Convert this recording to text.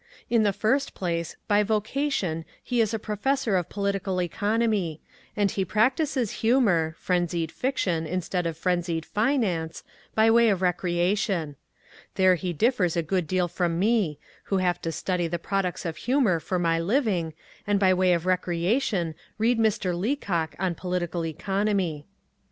In the first place, by vocation he is a Professor of Political Economy, and he practises humour frenzied fiction instead of frenzied finance by way of recreation. There he differs a good deal from me, who have to study the products of humour for my living, and by way of recreation read Mr. Leacock on political economy.